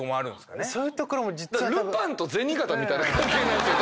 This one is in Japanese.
ルパンと銭形みたいな関係なんですよ